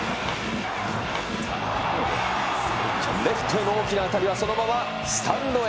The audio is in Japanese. レフトへの大きな当たりは、そのままスタンドへ。